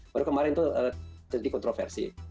baru kemarin itu terjadi kontroversi